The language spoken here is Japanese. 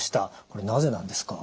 これなぜなんですか？